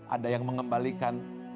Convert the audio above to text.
ada yang mengembalikan